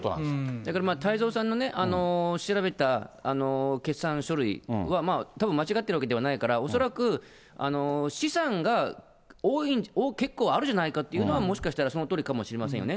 だけど、太蔵さんの調べた決算書類はたぶん間違ってるわけではないから、恐らく、資産が結構あるじゃないかというのは、もしかしたらそのとおりかもしれませんよね。